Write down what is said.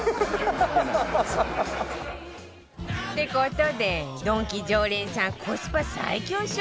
って事でドンキ常連さんコスパ最強商品